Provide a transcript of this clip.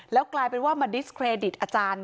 แล้วกลายเป็นว่ามาดิสเครดิตอาจารย์